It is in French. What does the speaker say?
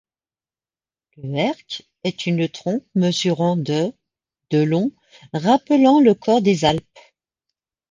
Le erke est une trompe mesurant de de long rappelant le cor des Alpes.